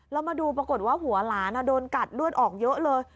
แล้วมาดูปรากฏว่าหัวหลานโดนกัดเลือดออกเยอะเลย